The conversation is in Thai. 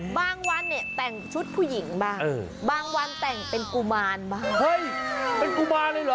วันเนี่ยแต่งชุดผู้หญิงบ้างบางวันแต่งเป็นกุมารบ้างเฮ้ยเป็นกุมารเลยเหรอ